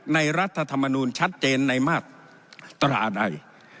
รัฐธรรมนูลชัดเจนในมาตราใด